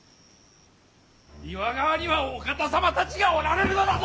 今川にはお方様たちがおられるのだぞ！